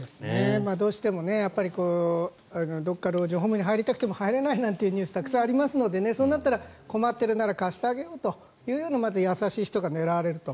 どうしてもどこか老人ホームに入りたくても入れないなんていうニュースがたくさんありますのでそうなったら困っているなら貸してあげようというようなまず優しい人が狙われると。